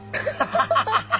ハハハハ。